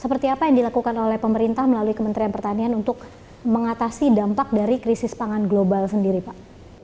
seperti apa yang dilakukan oleh pemerintah melalui kementerian pertanian untuk mengatasi dampak dari krisis pangan global sendiri pak